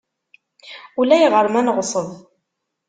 Ulayɣer ma neɣṣeb.